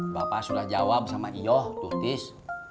bapak sudah jawab sama ioh tutis